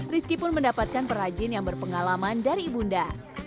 rizky pun mendapatkan perajin yang berpengalaman dari ibunda